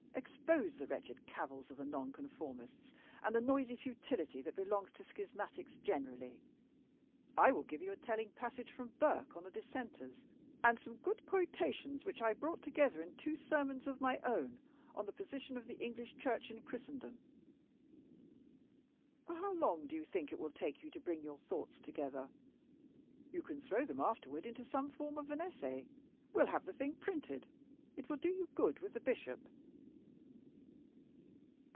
Expose the wretched cavils of the Noncomformists, and the noisy futility that belongs to schismatics generally. I will give you a telling passage from Burke on the Dissenters, and some good quotations which I brought together in two sermons of my own on the Position of the English Church in Christendom. How long do you think it will take you to bring your thoughts together? You can throw them afterward into the form of an essay; we'll have the thing printed; it will do you good with the Bishop."